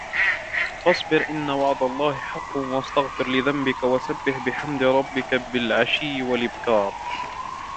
فاصبر إن وعد الله حق واستغفر لذنبك وسبح بحمد ربك بالعشي والإبكار